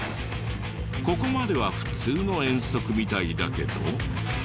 ここまでは普通の遠足みたいだけど。